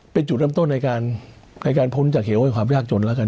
เป็นจุดลำต้นในการในการพ้นจากเขียวของความยากจนแล้วกัน